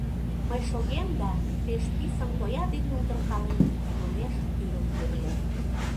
Мый шогем да, пеш писын тоя дене удыркален, лумеш тӱрым тӱрлем.